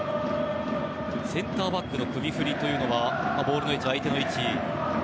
センターバックの首振りはボールの位置、相手の位置。